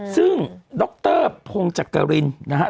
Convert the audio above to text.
ซึ่งดรพงศักรินนะฮะ